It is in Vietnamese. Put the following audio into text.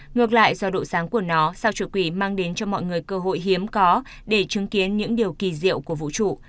ngược lại do độ sáng của nó sao chủ quỷ mang đến cho mọi người cơ hội hiếm có để chứng kiến những điều kỳ diệu của vũ trụ